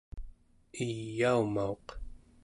eyaumauq